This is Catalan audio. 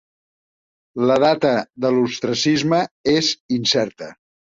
La data de l'ostracisme és incerta.